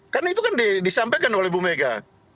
kan itu kan disampaikan oleh bumega